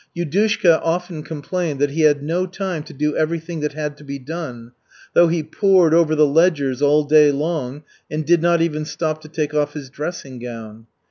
Yudushka often complained that he had no time to do everything that had to be done, though he pored over the ledgers all day long and did not even stop to take off his dressing gown.